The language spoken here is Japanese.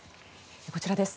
こちらです。